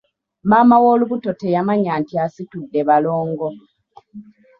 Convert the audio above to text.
Maama w'olubuto teyamanya nti asitudde balongo.